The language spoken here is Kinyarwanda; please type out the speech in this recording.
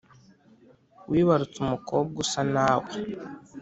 Wibarutse umukobwa usa nawee